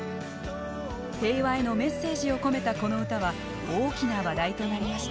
平和へのメッセージを込めたこの歌は大きな話題となりました。